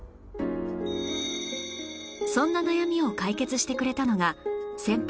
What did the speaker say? そんな悩みを解決してくれたのが先輩